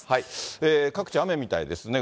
各地、雨みたいですね、